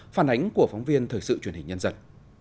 phản ánh của phóng viên thời sự truyền hình nhân dân